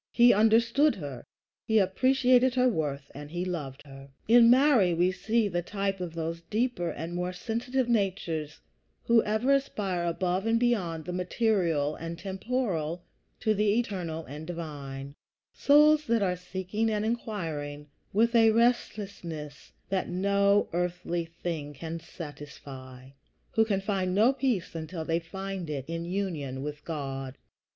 He understood her, he appreciated her worth, and he loved her. In Mary we see the type of those deeper and more sensitive natures who ever aspire above and beyond the material and temporal to the eternal and divine; souls that are seeking and inquiring with a restlessness that no earthly thing can satisfy, who can find no peace until they find it in union with God.